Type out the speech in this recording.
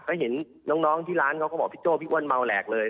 ก็เห็นน้องที่ร้านเขาก็บอกพี่โจ้พี่อ้วนเมาแหลกเลย